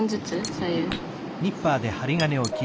左右。